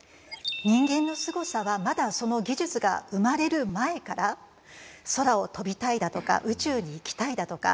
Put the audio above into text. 人間のすごさはまだその技術が生まれる前から空を飛びたいだとか宇宙に行きたいだとか